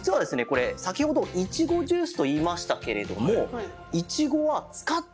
これさきほどいちごジュースといいましたけれどもえっ？